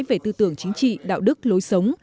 về tư tưởng chính trị đạo đức lối sống